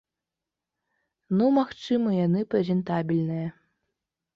Ну, магчыма, яны прэзентабельныя.